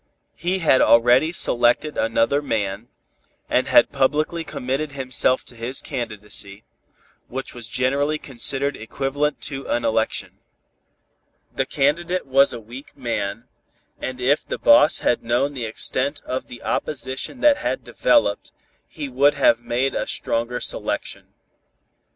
He had already selected another man, and had publicly committed himself to his candidacy, which was generally considered equivalent to an election. The candidate was a weak man, and if the boss had known the extent of the opposition that had developed, he would have made a stronger selection.